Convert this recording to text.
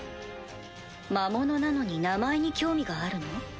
魔物なのに名前に興味があるの？